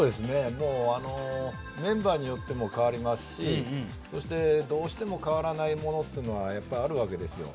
メンバーによっても変わりますしでも、どうしても変わらないものはあるわけですよ。